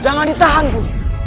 jangan ditahan guru